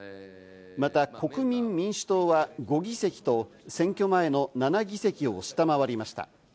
また国民民主党は５議席と選挙前の７議席を下回りました。